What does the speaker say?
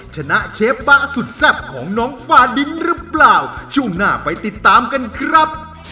ชนะเชฟบ๊ะสุดแซ่บของน้องฟาดินหรือเปล่าช่วงหน้าไปติดตามกันครับ